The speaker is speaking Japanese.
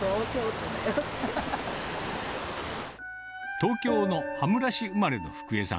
東京の羽村市生まれのフクエさん。